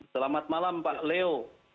selamat malam pak leo